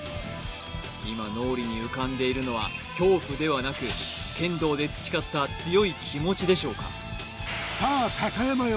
今脳裏に浮かんでいるのは恐怖ではなく剣道で培った強い気持ちでしょうかさあ高山よ